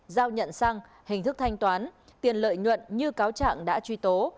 giao nhận xăng hình thức thanh toán tiền lợi nhuận như cáo trạng đã truy tố